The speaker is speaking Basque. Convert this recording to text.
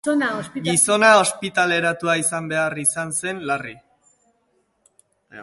Gizona ospitaleratua izan behar izan zen, larri.